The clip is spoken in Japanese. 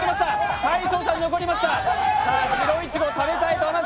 大昇さん残りました。